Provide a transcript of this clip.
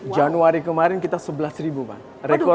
januari kemarin kita sebelas ribu pak